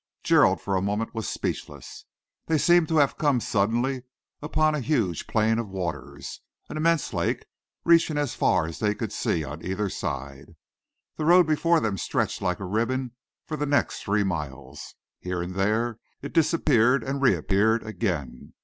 Gerald for a moment was speechless. They seemed to have come suddenly upon a huge plain of waters, an immense lake reaching as far as they could see on either side. The road before them stretched like a ribbon for the next three miles. Here and there it disappeared and reappeared again.